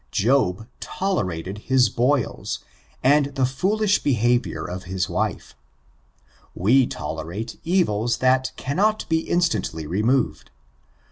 Job tolerated his boils, and the foolish behaviour of his wife. We tolerate evils that cannot be instantly removed.